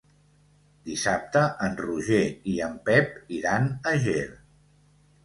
Dissabte en Roger i en Pep iran a Ger.